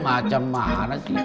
macem mana sih